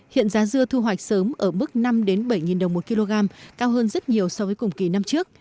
hiện giá dưa thu hoạch sớm ở mức năm bảy đồng một kg cao hơn rất nhiều so với cùng kỳ năm trước